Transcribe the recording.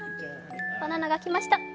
バナナが来ました。